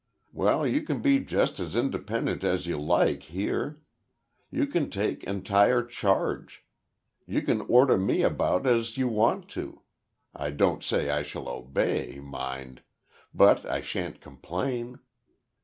Well, you can be just as independent as you like here. You can take entire charge. You can order me about as you want to I don't say I shall obey, mind but I shan't complain.